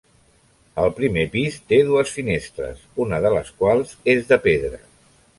El primer pis té dues finestres, una de les quals és de pedra.